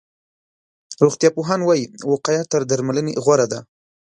روغتيا پوهان وایي، وقایه تر درملنې غوره ده.